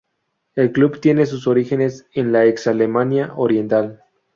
El club tiene sus orígenes en la ex-Alemania Oriental.